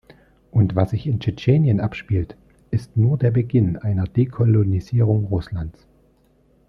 Und was sich in Tschetschenien abspielt, ist nur der Beginn einer Dekolonisierung Russlands.